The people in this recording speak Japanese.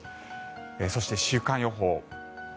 そして週間予報。